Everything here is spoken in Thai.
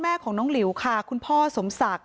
อ๋อไว้นี่ใช่ไหม